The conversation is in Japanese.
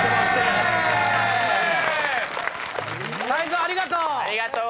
泰造ありがとう！